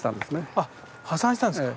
あっ破産したんですか？